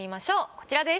こちらです。